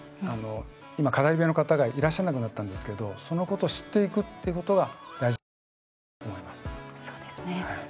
今、語り部の方がいらっしゃらなくなったんですがそのことを知っていくっていうことが大事だなと思います。